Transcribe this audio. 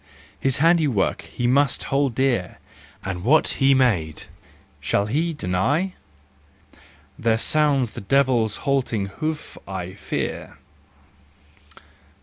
His handiwork he must hold dear, And what he made shall he deny ? There sounds the devil's halting hoof, I fear.